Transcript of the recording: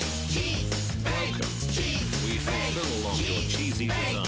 チーズ！